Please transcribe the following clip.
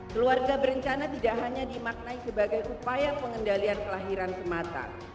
keluarga berencana tidak hanya dimaknai sebagai upaya pengendalian kelahiran semata